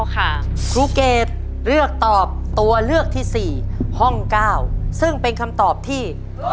ครูเกดเลือกตอบตัวเลือกที่๔ห้อง๙ซึ่งเป็นคำตอบที่